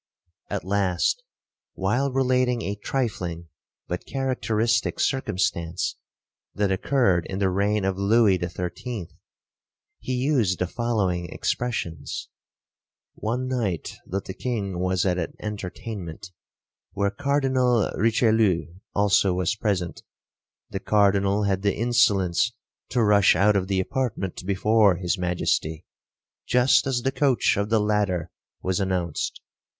At last, while relating a trifling but characteristic circumstance that occurred in the reign of Louis the Thirteenth, he used the following expressions1: 'One night that the king was at an entertainment, where Cardinal Richelieu also was present, the Cardinal had the insolence to rush out of the apartment before his Majesty, just as the coach of the latter was announced.